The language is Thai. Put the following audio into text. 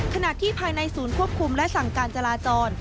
ขณะที่ภายในศูนย์ควบคุมและสั่งการจราจร